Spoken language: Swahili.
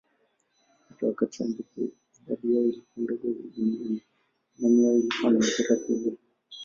Hata wakati ambapo idadi yao ilikuwa ndogo duniani, imani yao ilikuwa na athira kubwa.